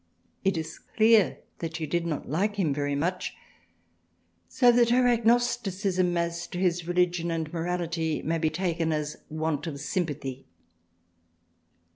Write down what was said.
It is clear that she did not like him very much, so that her agnosticism as to his religion and morality may be taken as want of sympathy.